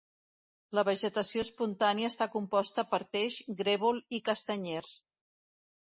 La vegetació espontània està composta per teix, grèvol i castanyers.